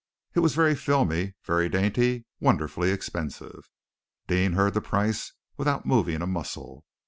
It was very filmy, very dainty, wonderfully expensive. Deane heard the price without moving a muscle.